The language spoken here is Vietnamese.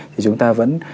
thì chúng ta vẫn